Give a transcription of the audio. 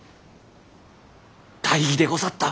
大儀でござった。